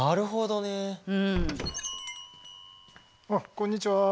こんにちは。